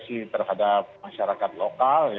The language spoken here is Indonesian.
ada diskresi terhadap masyarakat lokal